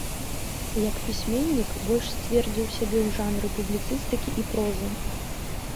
Як пісьменнік больш сцвердзіў сябе ў жанры публіцыстыкі і прозы.